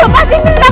ibu lepasin minah